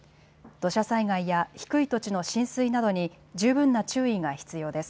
土砂災害や低い土地の浸水などに十分な注意が必要です。